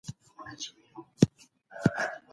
په کندهار کي د کوزدې مراسم څنګه لمانځل کيږي؟